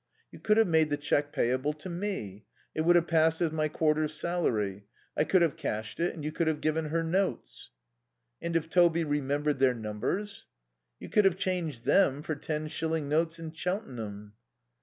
"You could have made the cheque payable to me. It would have passed as my quarter's salary. I could have cashed it and you could have given her notes." "And if Toby remembered their numbers?" "You could have changed them for ten shilling notes in Cheltenham."